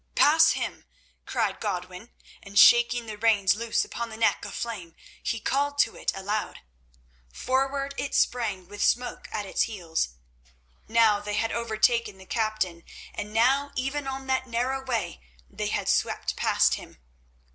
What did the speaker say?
"Pass him!" cried Godwin, and shaking the reins loose upon the neck of Flame he called to it aloud. Forward it sprang, with Smoke at its heels. Now they had overtaken the captain, and now even on that narrow way they had swept past him.